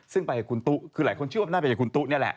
ซึ่งไปกับคุณตุ๊คือหลายคนเชื่อว่าน่าจะคุณตุ๊นี่แหละ